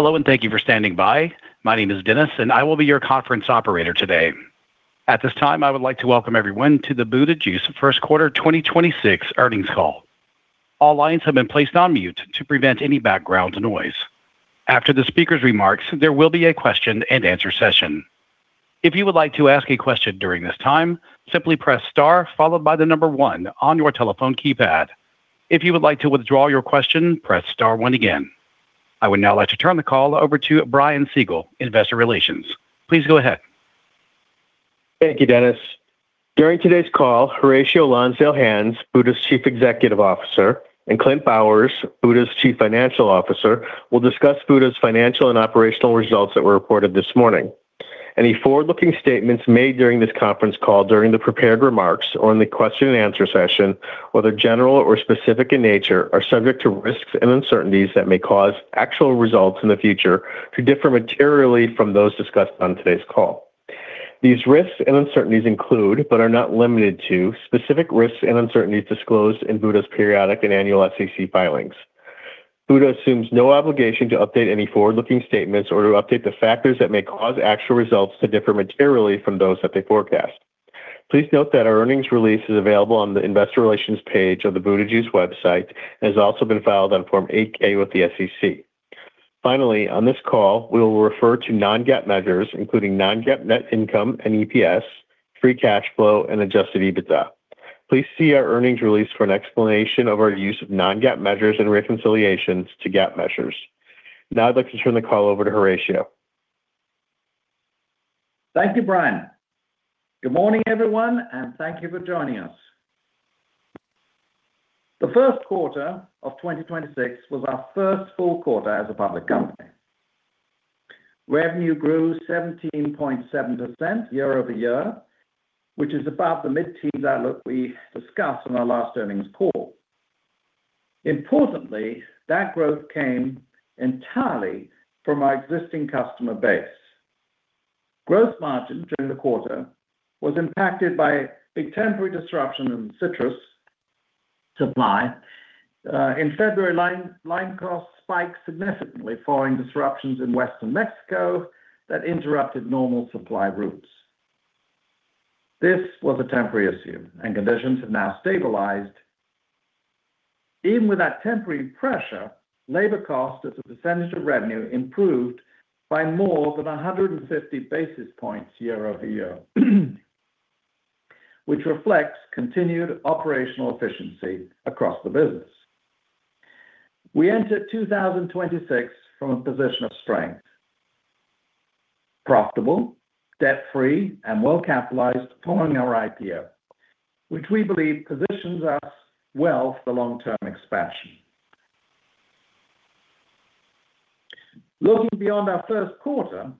Hello, and thank you for standing by. My name is Dennis, and I will be your conference operator today. At this time, I would like to welcome everyone to the Buda Juice First Quarter 2026 Earnings Call. All lines have been placed on mute to prevent any background noise. After the speaker's remarks, there will be a question and answer session. If you would like to ask a question during this time, simply press star followed by the number one on your telephone keypad. If you would like to withdraw your question, press star one again. I would now like to turn the call over to Brian Siegel, Investor Relations. Please go ahead. Thank you, Dennis. During today's call, Horatio Lonsdale-Hands, Buda's Chief Executive Officer, and Clint Bowers, Buda's Chief Financial Officer, will discuss Buda's financial and operational results that were reported this morning. Any forward-looking statements made during this conference call during the prepared remarks or in the question and answer session, whether general or specific in nature, are subject to risks and uncertainties that may cause actual results in the future to differ materially from those discussed on today's call. These risks and uncertainties include, but are not limited to, specific risks and uncertainties disclosed in Buda's periodic and annual SEC filings. Buda assumes no obligation to update any forward-looking statements or to update the factors that may cause actual results to differ materially from those that they forecast. Please note that our earnings release is available on the Investor Relations page of the Buda Juice website and has also been filed on form 8-K with the SEC. Finally, on this call, we will refer to non-GAAP measures, including non-GAAP net income and EPS, free cash flow, and adjusted EBITDA. Please see our earnings release for an explanation of our use of non-GAAP measures and reconciliations to GAAP measures. Now I'd like to turn the call over to Horatio. Thank you, Brian. Good morning, everyone, and thank you for joining us. The first quarter of 2026 was our first full quarter as a public company. Revenue grew 17.7% year-over-year, which is about the mid-teen outlook we discussed on our last earnings call. Importantly, that growth came entirely from our existing customer base. Gross margin during the quarter was impacted by a temporary disruption in citrus supply. In February, lime costs spiked significantly following disruptions in western Mexico that interrupted normal supply routes. This was a temporary issue, conditions have now stabilized. Even with that temporary pressure, labor cost as a percentage of revenue improved by more than 150 basis points year-over-year, which reflects continued operational efficiency across the business. We entered 2026 from a position of strength. Profitable, debt-free, and well-capitalized following our IPO, which we believe positions us well for long-term expansion. Looking beyond our first quarter,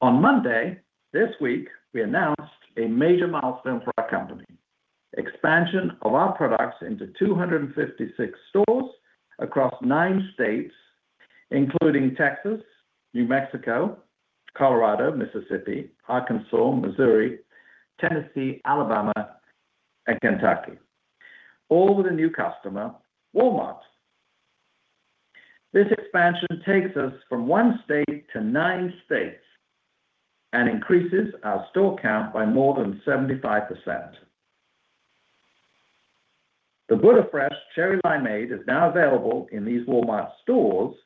on Monday this week, we announced a major milestone for our company, expansion of our products into 256 stores across nine states, including Texas, New Mexico, Colorado, Mississippi, Arkansas, Missouri, Tennessee, Alabama, and Kentucky. All with a new customer, Walmart. This expansion takes us from one state to nine states and increases our store count by more than 75%. The Buda Fresh Cherry Limeade is now available in these Walmart stores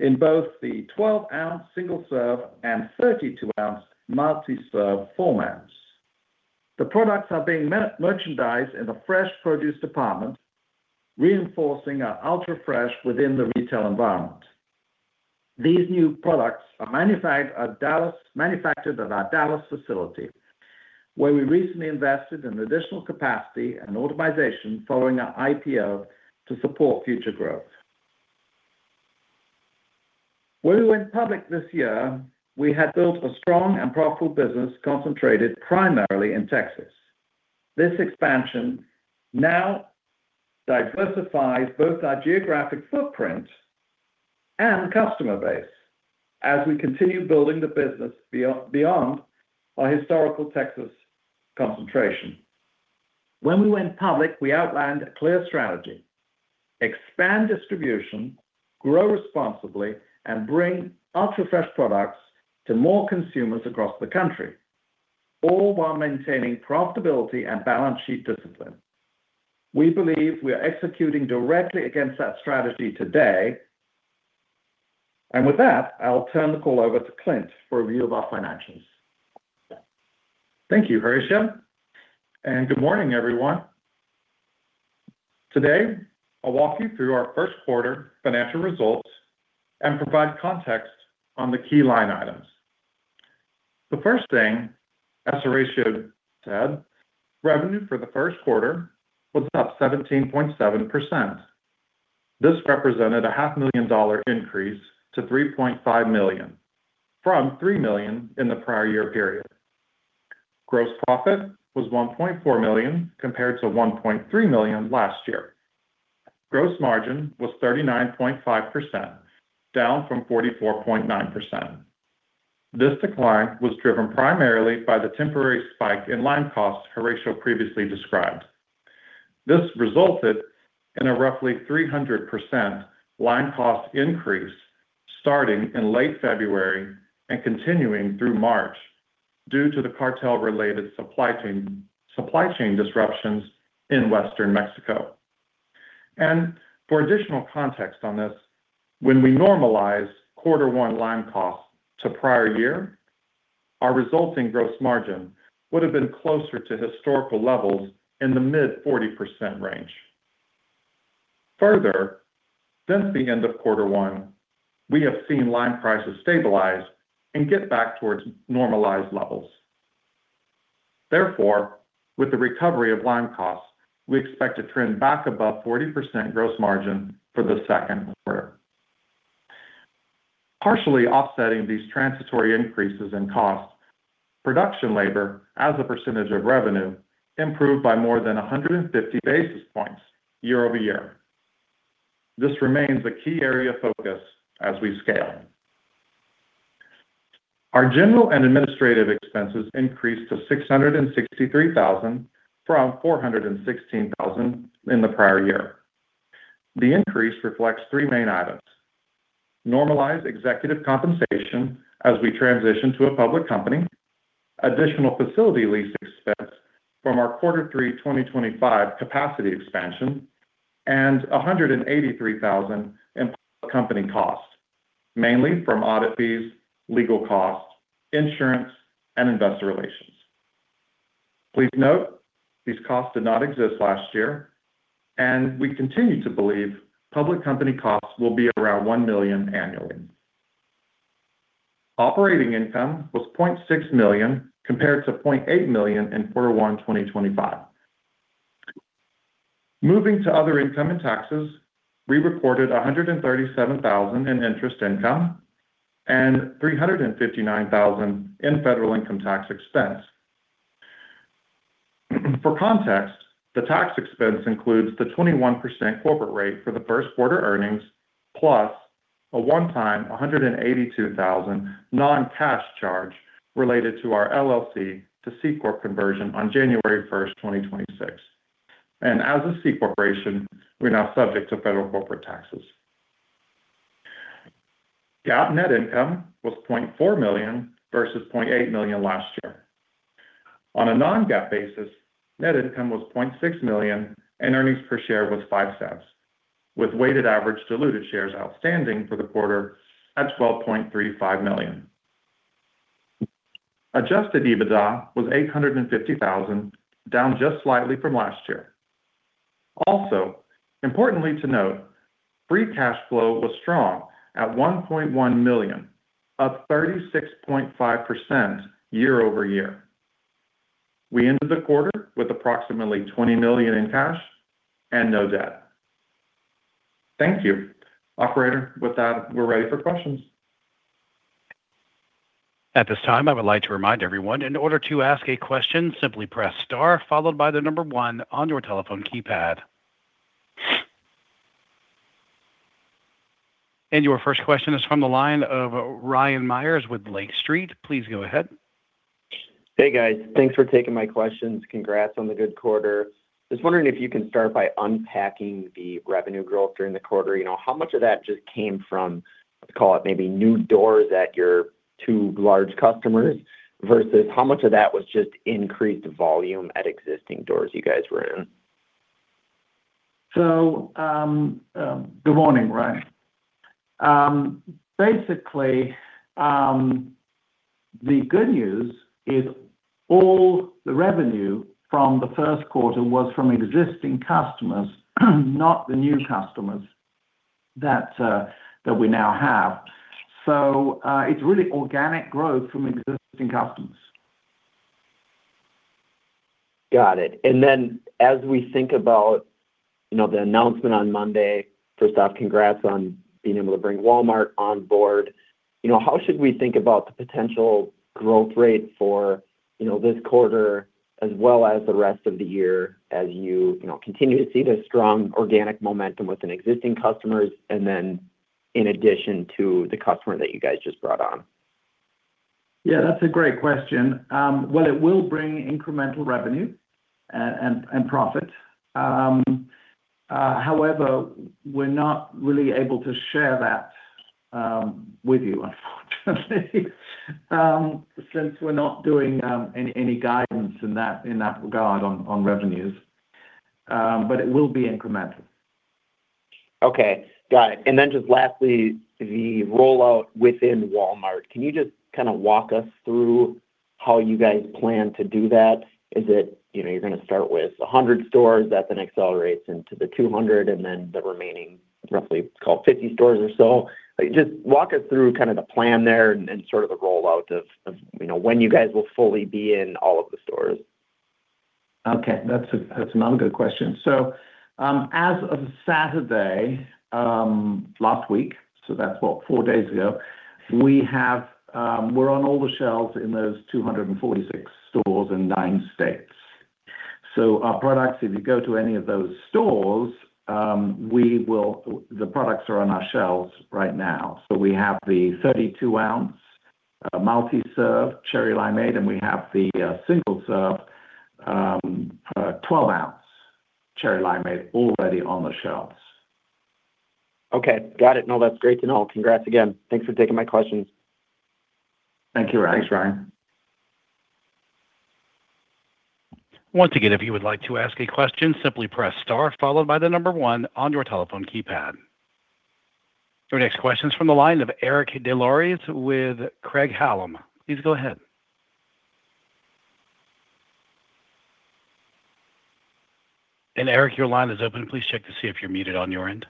in both the 12-ounce single-serve and 32-ounce multi-serve formats. The products are being merchandised in the fresh produce department, reinforcing our Ultra Fresh within the retail environment. These new products are manufactured at our Dallas facility, where we recently invested in additional capacity and automation following our IPO to support future growth. When we went public this year, we had built a strong and profitable business concentrated primarily in Texas. This expansion now diversifies both our geographic footprint and customer base as we continue building the business beyond our historical Texas concentration. When we went public, we outlined a clear strategy. Expand distribution, grow responsibly, and bring Ultra Fresh products to more consumers across the country, all while maintaining profitability and balance sheet discipline. We believe we are executing directly against that strategy today. With that, I'll turn the call over to Clint for a view of our financials. Thank you, Horatio, and good morning, everyone. Today, I'll walk you through our first quarter financial results and provide context on the key line items. The first thing, as Horatio said, revenue for the first quarter was up 17.7%. This represented a half million dollar increase to $3.5 million from $3 million in the prior year period. Gross profit was $1.4 million compared to $1.3 million last year. Gross margin was 39.5%, down from 44.9%. This decline was driven primarily by the temporary spike in lime costs Horatio previously described. This resulted in a roughly 300% lime cost increase starting in late February and continuing through March due to the cartel-related supply chain disruptions in western Mexico. For additional context on this, when we normalize quarter one lime costs to prior year, our resulting gross margin would have been closer to historical levels in the mid 40% range. Further, since the end of quarter one, we have seen lime prices stabilize and get back towards normalized levels. Therefore, with the recovery of lime costs, we expect to trend back above 40% gross margin for the second quarter. Partially offsetting these transitory increases in costs, production labor as a percentage of revenue improved by more than 150 basis points year-over-year. This remains a key area of focus as we scale. Our general and administrative expenses increased to $663 thousand from $416 thousand in the prior year. The increase reflects three main items: normalized executive compensation as we transition to a public company, additional facility lease expense from our Q3 2025 capacity expansion, and $183 thousand in public company costs, mainly from audit fees, legal costs, insurance, and investor relations. Please note, these costs did not exist last year, and we continue to believe public company costs will be around $1 million annually. Operating income was $0.6 million compared to $0.8 million in Q1 2025. Moving to other income and taxes, we reported $137 thousand in interest income and $359 thousand in federal income tax expense. For context, the tax expense includes the 21% corporate rate for the first quarter earnings plus a one-time $182,000 non-cash charge related to our LLC to C Corp conversion on January 1, 2026. As a C corporation, we're now subject to federal corporate taxes. GAAP net income was $0.4 million versus $0.8 million last year. On a non-GAAP basis, net income was $0.6 million, and earnings per share was $0.05, with weighted average diluted shares outstanding for the quarter at 12.35 million. Adjusted EBITDA was $850,000, down just slightly from last year. Also, importantly to note, free cash flow was strong at $1.1 million, up 36.5% year-over-year. We ended the quarter with approximately $20 million in cash and no debt. Thank you. Operator, with that, we're ready for questions. At this time, I would like to remind everyone, in order to ask a question, simply press star followed by the number one on your telephone keypad. Your first question is from the line of Ryan Meyers with Lake Street. Please go ahead. Hey, guys. Thanks for taking my questions. Congrats on the good quarter. Just wondering if you can start by unpacking the revenue growth during the quarter. You know, how much of that just came from, let's call it maybe new doors at your two large customers versus how much of that was just increased volume at existing doors you guys were in? Good morning, Ryan. Basically, the good news is all the revenue from the first quarter was from existing customers, not the new customers that we now have. It's really organic growth from existing customers. Got it. As we think about, you know, the announcement on Monday, first off, congrats on being able to bring Walmart on board. You know, how should we think about the potential growth rate for, you know, this quarter as well as the rest of the year as you know, continue to see the strong organic momentum within existing customers and then in addition to the customer that you guys just brought on? Yeah, that's a great question. Well, it will bring incremental revenue and profit. However, we're not really able to share that with you, unfortunately, since we're not doing any guidance in that regard on revenues. But it will be incremental. Okay. Got it. Just lastly, the rollout within Walmart. Can you just kind of walk us through how you guys plan to do that? Is it, you know, you're gonna start with 100 stores that then accelerates into the 200, and then the remaining roughly, call it 50 stores or so? Just walk us through kind of the plan there and sort of the rollout of, you know, when you guys will fully be in all of the stores. That's another good question. As of Saturday last week, that's four days ago, we're on all the shelves in those 246 stores in 9 states. Our products, if you go to any of those stores, the products are on our shelves right now. We have the 32 ounce multi-serve Buda Fresh Cherry Limeade, and we have the single serve 12 ounce Buda Fresh Cherry Limeade already on the shelves. Okay. Got it. No, that's great to know. Congrats again. Thanks for taking my questions. Thank you, Ryan. Thanks, Ryan. Once again, if you would like to ask a question, simply press star followed by the one on your telephone keypad. Your next question is from the line of Eric Des Lauriers with Craig-Hallum. Please go ahead. Eric, your line is open. Please check to see if you're muted on your end.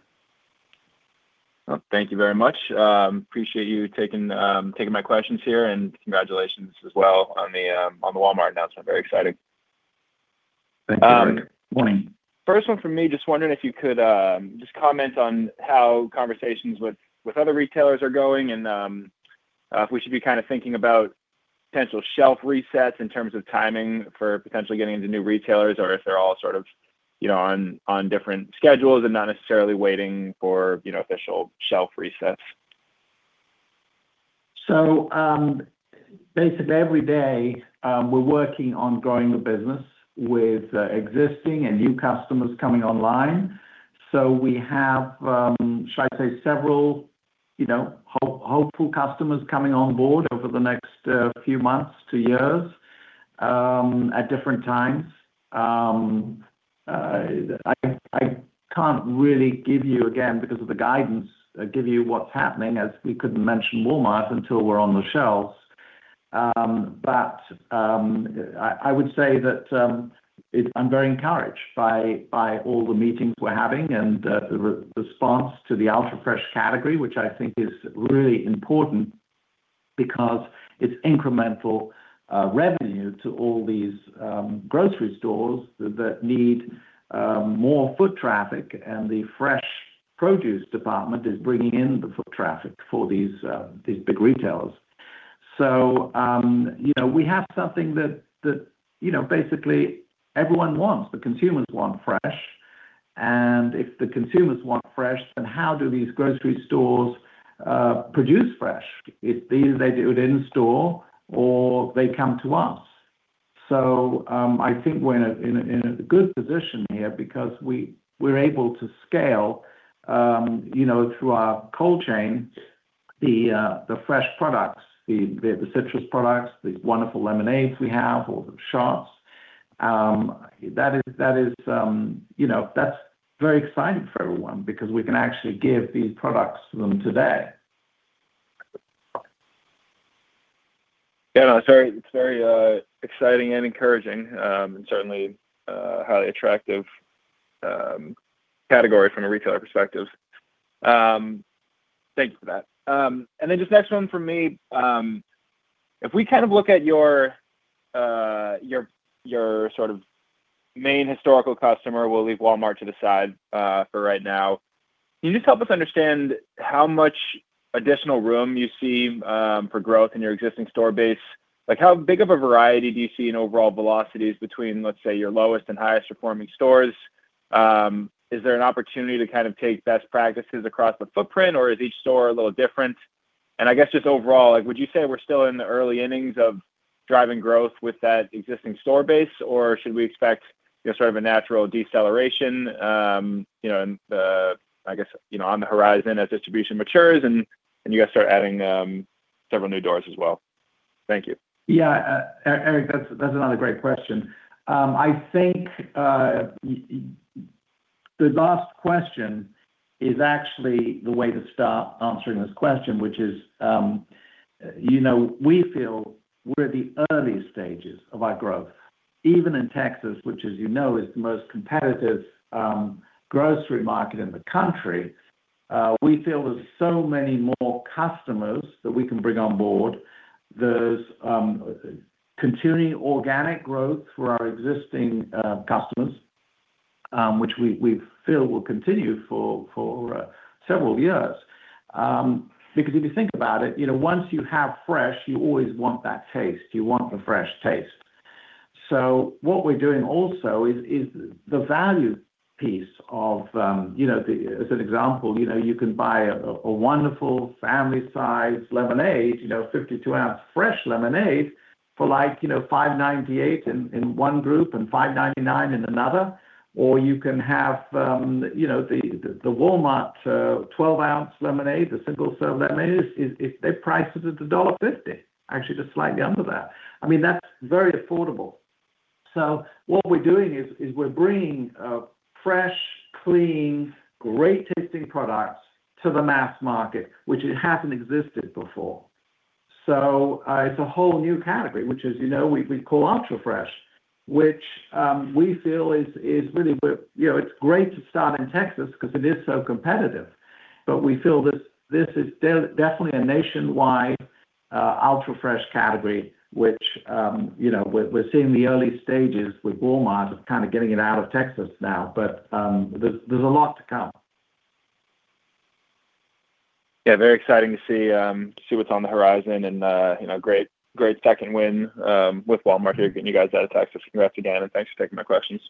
Thank you very much. Appreciate you taking my questions here, and congratulations as well on the Walmart announcement. Very exciting. Thank you, Eric. Morning. First one from me, just wondering if you could just comment on how conversations with other retailers are going and if we should be kind of thinking about potential shelf resets in terms of timing for potentially getting into new retailers or if they're all sort of, you know, on different schedules and not necessarily waiting for, you know, official shelf resets? Basically every day, we're working on growing the business with existing and new customers coming online. We have, shall I say several, you know, hopeful customers coming on board over the next few months to years at different times. I can't really give you, again, because of the guidance, give you what's happening, as we couldn't mention Walmart until we're on the shelves. I would say that I'm very encouraged by all the meetings we're having and the response to the Ultra Fresh category, which I think is really important because it's incremental revenue to all these grocery stores that need more foot traffic. The fresh produce department is bringing in the foot traffic for these big retailers. You know, we have something that, you know, basically everyone wants. The consumers want fresh. If the consumers want fresh, then how do these grocery stores produce fresh? It's either they do it in store or they come to us. I think we're in a good position here because we're able to scale, you know, through our cold chain, the fresh products, the citrus products, these wonderful lemonades we have or the shots. That is, you know, that's very exciting for everyone because we can actually give these products to them today. It's very exciting and encouraging, and certainly a highly attractive category from a retailer perspective. Thank you for that. Just next one from me. If we kind of look at your sort of main historical customer, we'll leave Walmart to the side for right now. Can you just help us understand how much additional room you see for growth in your existing store base? Like, how big of a variety do you see in overall velocities between, let's say, your lowest and highest performing stores? Is there an opportunity to kind of take best practices across the footprint, or is each store a little different? I guess just overall, like, would you say we're still in the early innings of driving growth with that existing store base, or should we expect just sort of a natural deceleration, you know, in the I guess, you know, on the horizon as distribution matures and you guys start adding several new doors as well? Thank you. Yeah. Eric Des Lauriers, that's another great question. I think, the last question is actually the way to start answering this question, which is, you know, we feel we're at the early stages of our growth. Even in Texas, which, as you know, is the most competitive, grocery market in the country, we feel there's so many more customers that we can bring on board. There's continuing organic growth for our existing customers, which we feel will continue for several years. Because if you think about it, you know, once you have fresh, you always want that taste. You want the fresh taste. What we're doing also is the value piece of, you know. As an example, you know, you can buy a wonderful family size lemonade, you know, 52 ounce fresh lemonade for like, you know, $5.98 in one group and $5.99 in another. You can have, you know, the Walmart 12 ounce lemonade, the single serve lemonade. They're priced at $1.50. Actually, just slightly under that. I mean, that's very affordable. What we're doing is we're bringing fresh, clean, great tasting products to the mass market, which it hasn't existed before. It's a whole new category, which is, you know, we call Ultra Fresh, which, we feel is really you know, it's great to start in Texas because it is so competitive, but we feel this is definitely a nationwide, Ultra Fresh category, which, you know, we're seeing the early stages with Walmart of kind of getting it out of Texas now. There's, there's a lot to come. Yeah, very exciting to see, to see what's on the horizon and, you know, great second win, with Walmart here getting you guys out of Texas. Congrats again, and thanks for taking my questions.